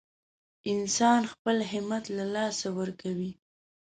انسان خپل همت له لاسه ورکوي.